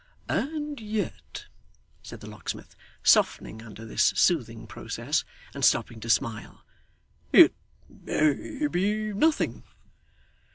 'And yet,' said the locksmith, softening under this soothing process, and stopping to smile, 'it MAY be nothing.